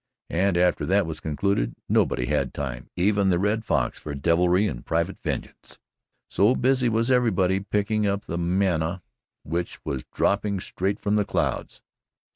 And after that was concluded, nobody had time, even the Red Fox, for deviltry and private vengeance so busy was everybody picking up the manna which was dropping straight from the clouds.